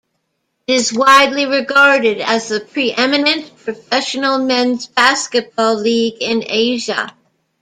It is widely regarded as the pre-eminent professional men's basketball league in Asia.